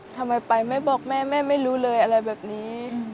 ทำไมไปไม่บอกแม่แม่ไม่รู้เลยอะไรแบบนี้